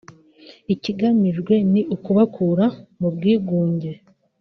ikigamijwe ni ukubakura mu bwigunge”